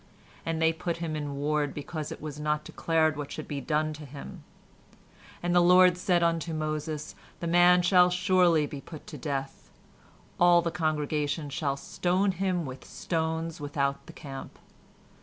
"And they put him in ward because it was not declared what should be done to him. "And the Lord said unto Moses, the man shall be surely put to death; all the congregation shall stone him with stones without the camp.